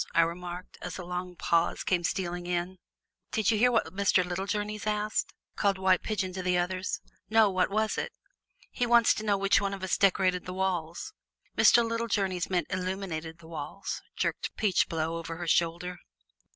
I remarked, as a long pause came stealing in. "Did you hear what Mr. Littlejourneys asked?" called White Pigeon to the others. "No; what was it?" "He wants to know which one of us decorated the walls!" "Mr. Littlejourneys meant illumined the walls," jerked Peachblow, over her shoulder.